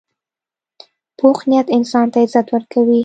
پوخ نیت انسان ته عزت ورکوي